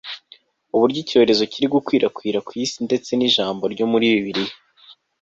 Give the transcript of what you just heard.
uburyo icyorezo kiri gukwirakwira ku isi ndetse n'ijambo ryo muri bibiliya